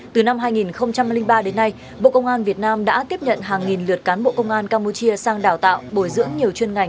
từ năm hai nghìn ba đến nay bộ công an việt nam đã tiếp nhận hàng nghìn lượt cán bộ công an campuchia sang đào tạo bồi dưỡng nhiều chuyên ngành